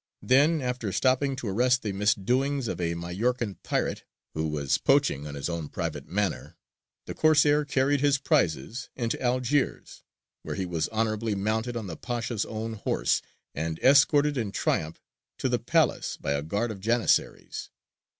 Then, after stopping to arrest the misdoings of a Majorcan pirate, who was poaching on his own private manor, the Corsair carried his prizes into Algiers, where he was honourably mounted on the Pasha's own horse and escorted in triumph to the Palace by a guard of Janissaries.